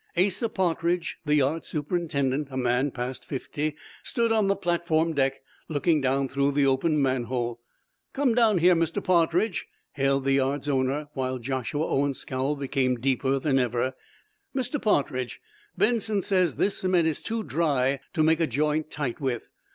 Asa Partridge, the yard superintendent, a man past fifty, stood on the platform deck, looking down through the open manhole. "Come down here, Mr. Partridge," hailed the yard's owner, while Joshua Owen's scowl became deeper than ever. "Mr. Partridge, Benson says this cement is too dry to make a joint tight with.